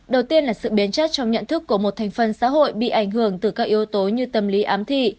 đầu tiên là sự biến chất trong nhận thức của một thành phần xã hội bị ảnh hưởng từ các yếu tố như tâm lý ám thị